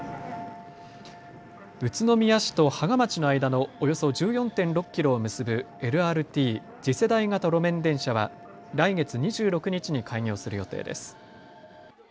宇都宮市と芳賀町の間のおよそ１４．６キロを結ぶＬＲＴ・次世代型路面電車は来月２６日に開業する予定です。